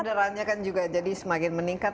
udaranya kan juga jadi semakin meningkat